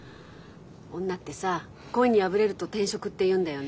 女ってさ恋に破れると転職って言うんだよね。